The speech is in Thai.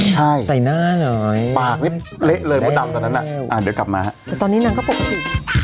แต่ตอนนี้นางก็ปกติ